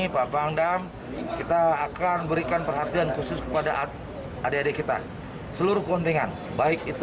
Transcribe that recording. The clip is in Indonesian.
pak pangdam kita akan berikan perhatian khusus kepada adik adik kita seluruh kontingen baik itu